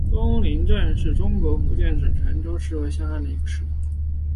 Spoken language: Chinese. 东岭镇是中国福建省泉州市惠安县下辖的一个镇。